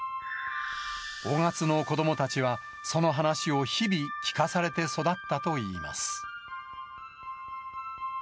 雄勝の子どもたちは、その話を日々、聞かされて育ったといいます。